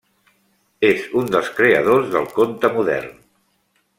És un dels creadors del conte modern.